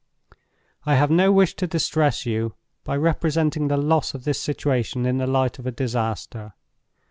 "I have no wish to distress you by representing the loss of this situation in the light of a disaster.